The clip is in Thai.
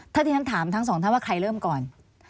ถ้าที่ฉันถามทั้งสองท่านว่าใครเริ่มก่อน